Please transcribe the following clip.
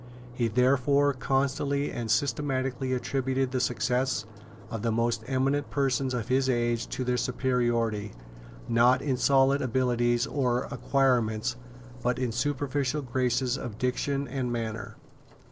He therefore constantly and systematically attributed the success of the most eminent persons of his age to their superiority, not in solid abilities and acquirements, but in superficial graces of diction and manner.